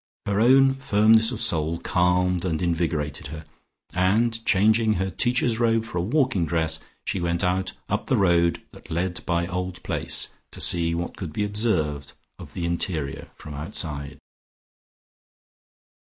Her own firmness of soul calmed and invigorated her, and changing her Teacher's Robe for a walking dress, she went out up the road that led by Old Place, to see what could be observed of the interior from outside.